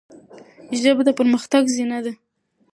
ژبه د پرمختګ زینه ده.